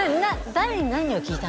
誰に何を聞いた？